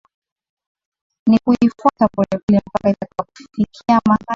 ni kuifwata pole pole mpaka itakapofika mahali pa salama